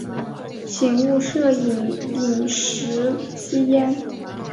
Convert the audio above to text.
请勿摄影、饮食、吸烟